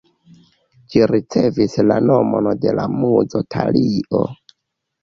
Ĝi ricevis la nomon de la muzo Talio.